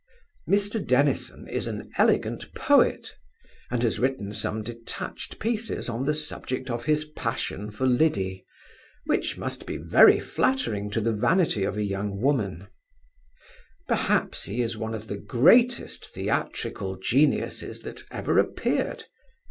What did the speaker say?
Mr Dennison is an elegant poet, and has written some detached pieces on the subject of his passion for Liddy, which must be very flattering to the vanity of a young woman Perhaps he is one of the greatest theatrical geniuses that ever appeared.